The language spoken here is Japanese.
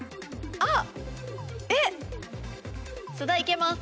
あっ！